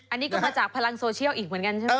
อันนี้ก็มาจากพลังโซเชียลอีกเหมือนกันใช่ไหม